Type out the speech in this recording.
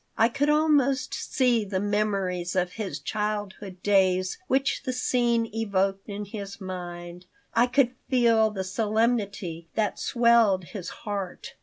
I could almost see the memories of his childhood days which the scene evoked in his mind. I could feel the solemnity that swelled his heart.